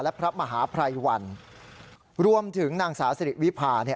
และพระมหาภรรยวรรษรวมถึงนางสาวสดิวิภา